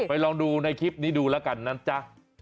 ลองดูในคลิปนี้ดูแล้วกันนะจ๊ะ